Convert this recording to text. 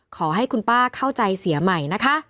ขอให้คุณป้าเข้าใจเสียใหม่นะคะ